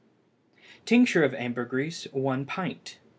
Tincture of ambergris 1 pint.